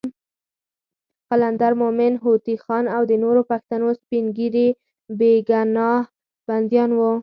قلندر مومند، هوتي خان، او د نورو پښتنو سپین ږیري بېګناه بندیان وو.